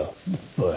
おい。